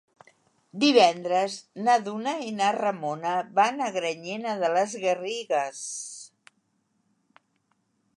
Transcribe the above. Divendres na Duna i na Ramona van a Granyena de les Garrigues.